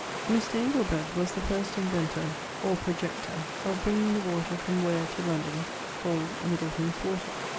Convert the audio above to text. = [A]Mr. Ingelbert was the first inventer or projector of bringing the water from Ware to London called Middleton's water.